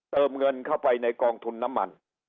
เติมเงินเข้าไปในกองทุนน้ำมัน